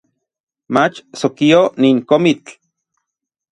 Mach sokio nin komitl